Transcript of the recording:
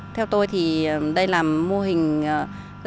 theo tôi thì đây là mô hình